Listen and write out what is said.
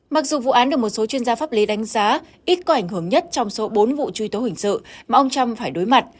mặc dù vụ án được một số chuyên gia pháp lý đánh giá ít có ảnh hưởng nhất trong số bốn vụ truy tố hình sự mà ông trump phải đối mặt